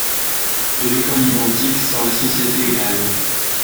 De l’école identique sort la société égale.